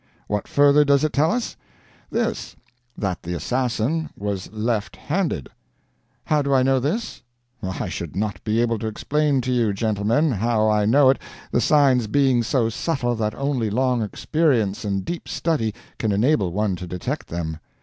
What further does it tell us? This: that the assassin was left handed. How do I know this? I should not be able to explain to you, gentlemen, how I know it, the signs being so subtle that only long experience and deep study can enable one to detect them.